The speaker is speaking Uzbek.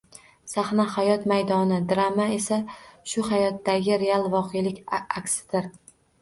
Sahna hayot maydoni, drama esa shu hayotdagi real voqelik aksidir